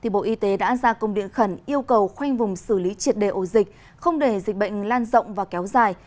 bộ y tế đã ra công điện khẩn yêu cầu khoanh vùng xử lý triệt đề ổ dịch không để dịch bệnh lan rộng và kéo dài